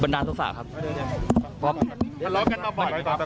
บันดาลโทษะครับ